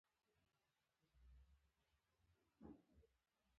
رومیان چې به هر ځای لاړل.